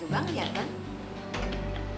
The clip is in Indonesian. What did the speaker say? tuh bang lihat bang